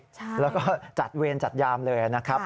แล้วก็จัดเวรจัดยามเลยนะครับ